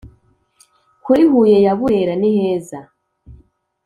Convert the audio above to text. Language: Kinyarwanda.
kuri huye ya burera ni heza